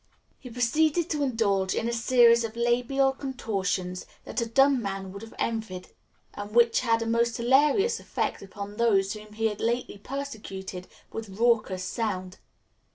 He proceeded to indulge in a series of labial contortions that a dumb man would have envied, and which had a most hilarious effect upon those whom he had lately persecuted with raucous sound.